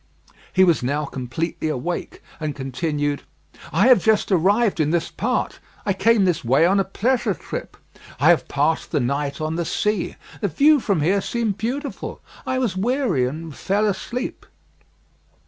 He was now completely awake, and continued "I have just arrived in this part. I came this way on a pleasure trip. I have passed the night on the sea: the view from here seemed beautiful. I was weary, and fell asleep."